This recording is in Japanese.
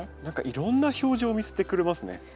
何かいろんな表情を見せてくれますね。